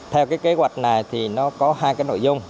theo kế hoạch này nó có hai nội dung